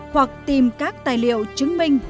hoặc tìm các tài liệu chứng minh